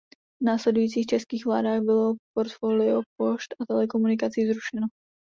V následujících českých vládách bylo portfolio pošt a telekomunikací zrušeno.